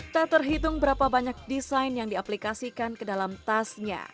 tak terhitung berapa banyak desain yang diaplikasikan ke dalam tasnya